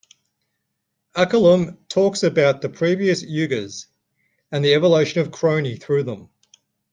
Akilam talks about the previous yugas and the evolution of Kroni through them.